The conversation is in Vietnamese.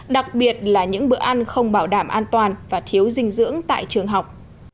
đặc biệt là những bữa ăn không bảo đảm an toàn và thiếu dinh dưỡng tại trường học